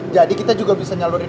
jadi kita juga bisa nyalo deh